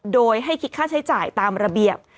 โดยให้คิดค่าใช้จ่ายตามระเบียบ